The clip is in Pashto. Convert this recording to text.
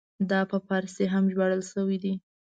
دا په فارسي هم ژباړل شوی دی.